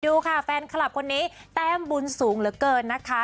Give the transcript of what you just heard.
ดูค่ะแฟนคลับคนนี้แต้มบุญสูงเหลือเกินนะคะ